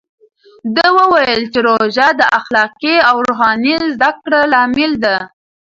ده وویل چې روژه د اخلاقي او روحاني زده کړې لامل ده.